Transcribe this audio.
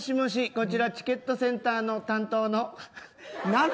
こちらチケットセンター担当の。